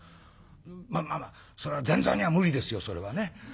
まあまあそれは前座には無理ですよそれはね。